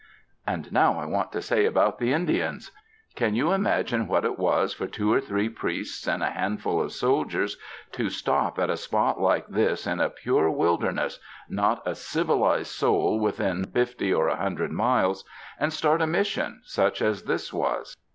''And now I want to say about the Indians. Can you imagine what it was for two or three priests and a handful of soldiers to stop at a spot like this in a pure wilderness — not a civilized soul within fifty or a hundred miles — and start a Mission such as this was?